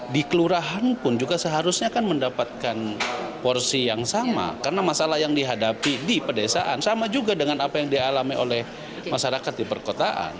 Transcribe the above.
di kelurahan pun juga seharusnya kan mendapatkan porsi yang sama karena masalah yang dihadapi di pedesaan sama juga dengan apa yang dialami oleh masyarakat di perkotaan